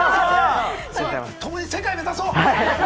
共に世界目指そう。